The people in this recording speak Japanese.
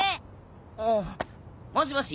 ああもしもし？